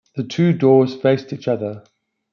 The two doors faced each other.